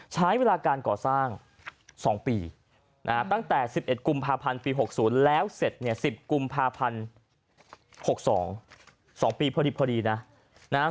ใช้เวลาการก่อสร้าง๒ปีนะฮะตั้งแต่๑๑กุมภาพันธ์ปี๖๐แล้วเสร็จเนี่ย๑๐กุมภาพันธ์๖๒๒ปีพอดีนะนะฮะ